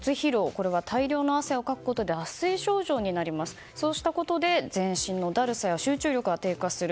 これは大量の汗をかくことで脱水症状になり、そうしたことで全身のだるさや集中力が低下する。